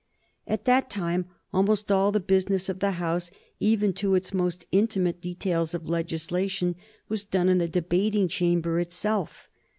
At that time almost all the business of the House, even to its most minute details of legislation, was done in the debating chamber itself.